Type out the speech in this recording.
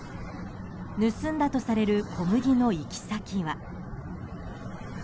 盗んだとされる小麦の行き先は。